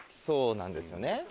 そうなんですよね。